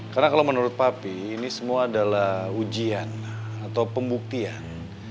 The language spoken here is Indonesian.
karena kalau menurut pak pi ini semua adalah ujian atau pembuktian